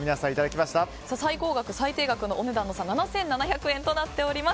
最高額、最低額の差７７００円となっております。